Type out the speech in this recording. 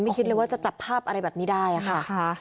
คิดเลยว่าจะจับภาพอะไรแบบนี้ได้ค่ะ